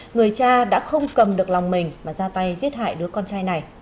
người cha đã không cầm được lòng mình mà ra tay giết hại đứa con trai này